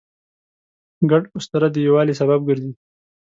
ګډ اسطوره د یووالي سبب ګرځي.